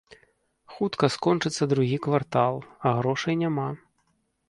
Хутка скончыцца другі квартал, а грошай няма.